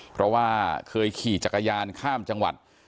เพราะว่าเคยขี่จักรยานข้ามจังหวัด